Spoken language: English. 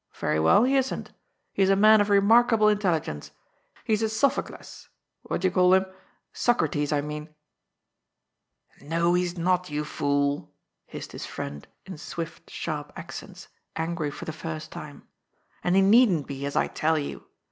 " Very well ; he isn't He is a man of remark able intelligence. He is a Sophocles — what d'ye call 'im ?— Socrates, I mean." "No, he is not, you fool," hissed his friend in swift, sharp accents, angry for the first time, "and he needn't be, as I tell you.